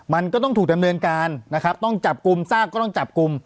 มันก็ต้องถูกดำเนินการนะครับต้องจับกลุ่มซากก็ต้องจับกลุ่ม